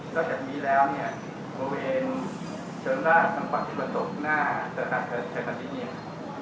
แล้วจากนี้แล้วเนี่ยบริเวณเชิงราชสำหรับที่กระตุกหน้าสถานการณ์เชิงราชนิดนี้เนี่ย